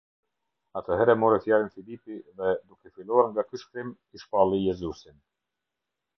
Atëherë e mori fjalën Filipi dhe, duke filluar nga ky Shkrim, i shpalli Jezusin.